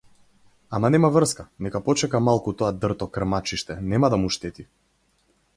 Ама нема врска, нека почека малку тоа дрто крмачиште, нема да му штети.